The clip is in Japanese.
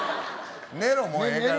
寝ろ、もうええから。